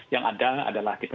yang ada adalah kita